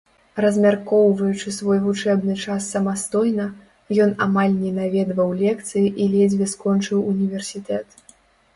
Размяркоўваючы свой вучэбны час самастойна, ён амаль не наведваў лекцыі і ледзьве скончыў універсітэт.